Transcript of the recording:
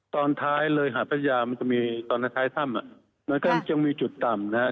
ตอนท้ายหัดพัทยามันจะมีตอนท้ายท่ำมันก็ยังมีจุดต่ำนะครับ